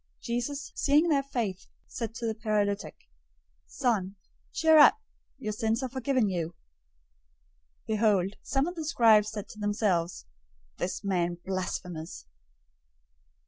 Jesus, seeing their faith, said to the paralytic, "Son, cheer up! Your sins are forgiven you." 009:003 Behold, some of the scribes said to themselves, "This man blasphemes."